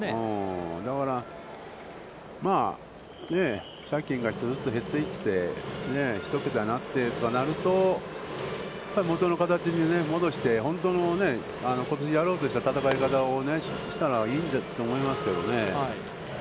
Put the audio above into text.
だから、借金が１つずつ減っていって、１桁になってとかなると、元の形に戻して、ことしやろうとした戦い方をしたらいいんだと思いますけどね。